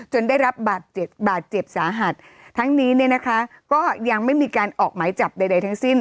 ได้รับบาดเจ็บบาดเจ็บสาหัสทั้งนี้เนี่ยนะคะก็ยังไม่มีการออกหมายจับใดทั้งสิ้น